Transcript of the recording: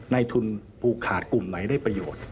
ในทุนผูกขาดกลุ่มไหนได้ประโยชน์